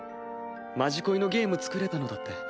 「まじこい」のゲーム作れたのだって